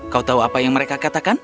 kau tahu apa yang mereka katakan